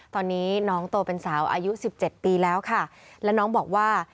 ตอนนี้น้องโตเป็นสาวอายุสิบเจ็ดปีแล้วค่ะแล้วน้องบอกว่า